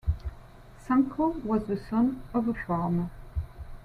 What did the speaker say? Sankoh was the son of a farmer.